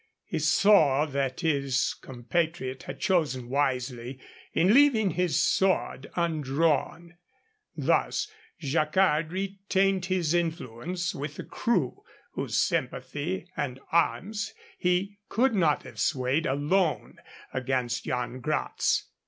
He saw that his compatriot had chosen wisely in leaving his sword undrawn. Thus Jacquard retained his influence with the crew, whose sympathy and arms he could not have swayed alone against Yan Gratz.